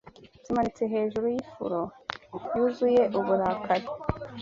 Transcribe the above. zimanitse hejuru yifuro yuzuye uburakari